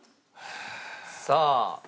さあ。